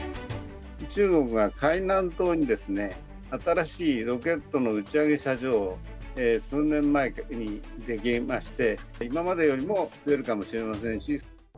中国が海南島にですね、新しいロケットの打ち上げ射場、数年前に出来まして、今までよりも増えるかもしれませんし。